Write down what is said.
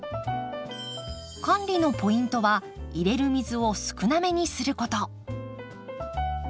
管理のポイントは入れる水を少なめにすること。